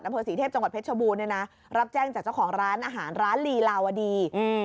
นพศรีเทพฯจังหวัดเพชรชบูรณ์รับแจ้งจากเจ้าของร้านอาหารร้านลีลาวาดี